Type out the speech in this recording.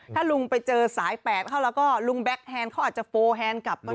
ถ้าลุงไปเจอสายแปดเข้าแล้วก็ลุงแก๊กแฮนดเขาอาจจะโฟแฮนดกลับก็ได้